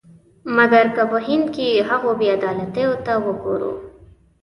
مګر که په هند کې هغو بې عدالتیو ته وګورو.